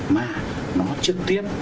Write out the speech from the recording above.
mà nó trực tiếp